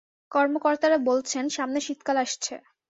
কর্মকর্তারা বলছেন, সামনে শীতকাল আসছে।